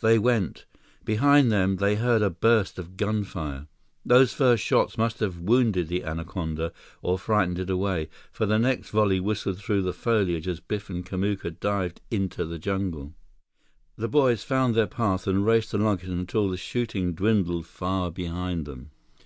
They went. Behind them, they heard a burst of gunfire. Those first shots must have wounded the anaconda or frightened it away, for the next volley whistled through the foliage as Biff and Kamuka dived into the jungle. The boys found their path and raced along it until the shooting dwindled far behind them.